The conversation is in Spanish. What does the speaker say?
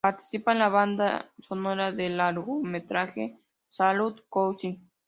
Participa en la banda sonora del largometraje "Salut cousin!